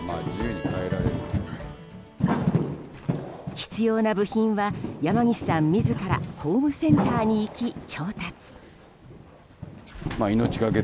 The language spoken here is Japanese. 必要な部品は山岸さん自らホームセンターに行き、調達。